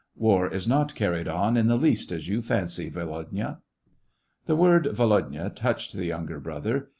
War is not carried on in the least as you fancy, Volodya." The word "Volodya" touched the younger brother.